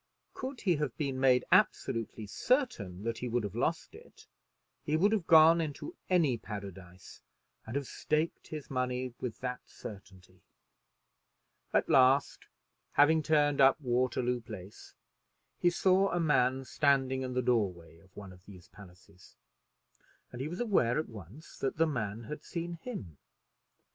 Could he have been made absolutely certain that he would have lost it, he would have gone into any paradise and have staked his money with that certainty. At last, having turned up Waterloo Place, he saw a man standing in the door way of one of these palaces, and he was aware at once that the man had seen him.